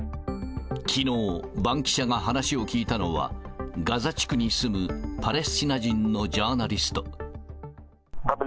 きのう、バンキシャが話を聞いたのは、ガザ地区に住むパレスチナ人のジャーナリスト。